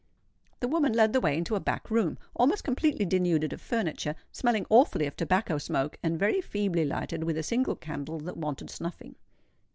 The woman led the way into a back room, almost completely denuded of furniture, smelling awfully of tobacco smoke, and very feebly lighted with a single candle that wanted snuffing.